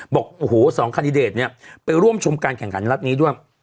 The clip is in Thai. บอกโอ้โหสองคันดิเดตเนี่ยไปร่วมชมการแข่งขันนัดนี้ด้วย